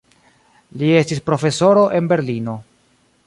Li estis profesoro en Berlino.